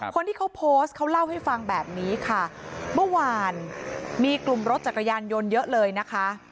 คนที่เขาโพสต์เขาเล่าให้ฟังแบบนี้ค่ะเมื่อวานมีกลุ่มรถจักรยานยนต์เยอะเลยนะคะ